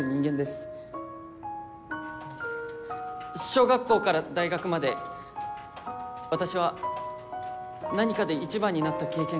小学校から大学まで私は何かで一番になった経験がありません。